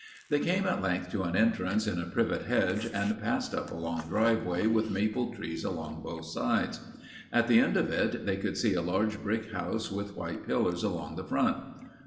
They came at length to an entrance in a privet hedge and passed up a long driveway with maple trees along both sides. At the end of it they could see a large brick house with white pillars along the front.